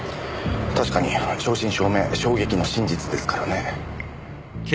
確かに正真正銘衝撃の真実ですからね。